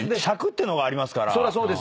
尺っていうのがありますから。